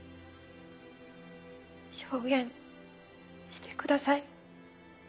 証言してください。